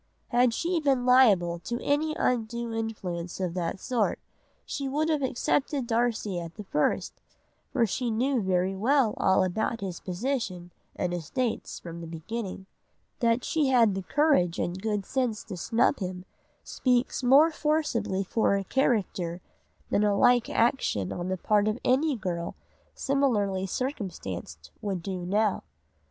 Had she been liable to any undue influence of that sort, she would have accepted Darcy at the first, for she knew very well all about his position and estates from the beginning. That she had the courage and good sense to snub him speaks much more forcibly for her character than a like action on the part of any girl similarly circumstanced would do now.